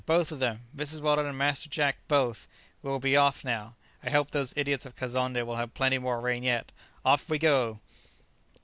both of them! Mrs. Weldon and Master Jack, both! We will be off now! I hope those idiots of Kazonndé will have plenty more rain yet! Off we go!"